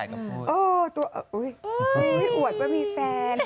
พี่อร่วมว่ามีแฟน